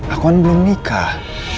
aku kan belum nikah